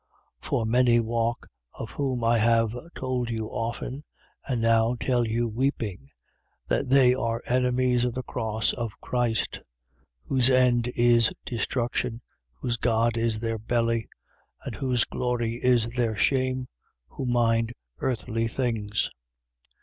3:18. For many walk, of whom I have told you often (and now tell you weeping) that they are enemies of the cross of Christ: 3:19. Whose end is destruction: whose God is their belly: and whose glory is in their shame: who mind earthly things.